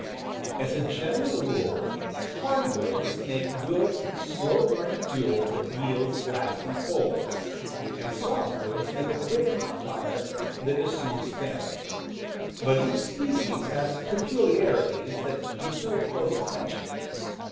As a general rule, hardwoods make good, slow burn ing fuel that yields lasting coals, and softwoods make a quick, hot fire that is soon spent. But each species has peculiarities that deserve close attention.